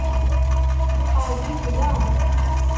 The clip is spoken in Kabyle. Rjut da!